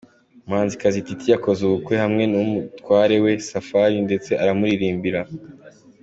Umuhanzikanzikazi Titie yakoze ubukwe hamwe n’umutware we Safari ndetse aramuririmbira.